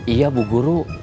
iya bu guru